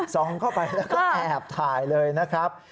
ส่องเข้าไปแล้วก็แอบถ่ายเลยนะครับ